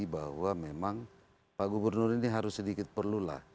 bahwa memang pak gubernur ini harus sedikit perlulah